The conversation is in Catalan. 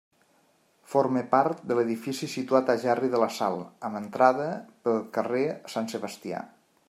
Forma part de l'edifici situat a Gerri de la Sal, amb entrada per carrer Sant Sebastià.